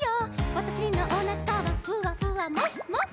「わたしのおなかはふわふわもふもふ」